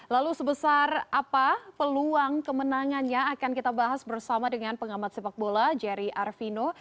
lalu sebesar apa peluang kemenangannya akan kita bahas bersama dengan pengamat sepak bola jerry arvino